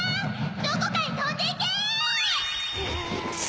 どこかへとんでいけ！